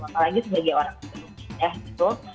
apalagi sebagai orang yang sudah muda gitu